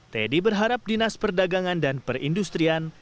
teddy berharap dinas perdagangan dan perindustrian